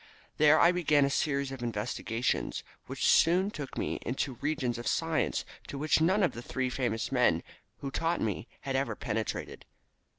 There I began a series of investigations which soon took me into regions of science to which none of the three famous men who taught me had ever penetrated.